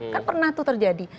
kan pernah tuh terjadi